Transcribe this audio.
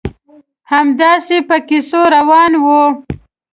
همداسې په کیسو روان وو.